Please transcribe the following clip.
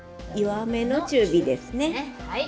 弱めの中火ですね。